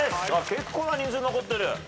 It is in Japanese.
結構な人数残ってる。